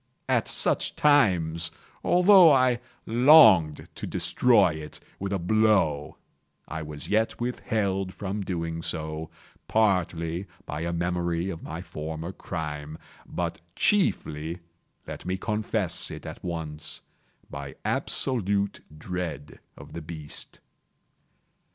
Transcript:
At such times, although I longed to destroy it with a blow, I was yet withheld from so doing, partly by a memory of my former crime, but chiefly—let me confess it at once—by absolute dread of the beast.